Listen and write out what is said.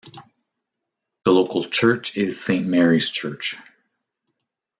The local church is Saint Mary's Church.